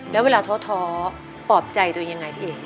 แล้วเวลาท้อปลอบใจตัวเองยังไงพี่เอก